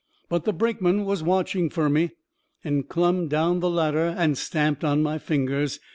But the brakeman was watching fur me, and clumb down the ladder and stamped on my fingers.